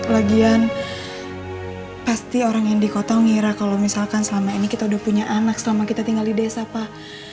lagian pasti orang yang dikotong ngira kalau misalkan selama ini kita udah punya anak selama kita tinggal di desa pak